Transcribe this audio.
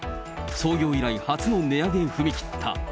創業以来、初の値上げに踏み切った。